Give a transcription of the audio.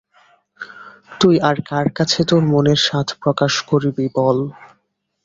তুই আর কার কাছে তাের মনের সাধ প্রকাশ করিবি বল্?